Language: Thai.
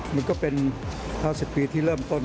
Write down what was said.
มันก็เป็น๙๐ปีที่เริ่มต้น